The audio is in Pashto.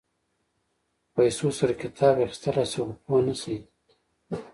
په پیسو سره کتاب اخيستلی شې خو پوهه نه شې.